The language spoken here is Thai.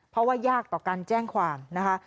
เพราะว่ายากต่อการแจ้งความนะคะ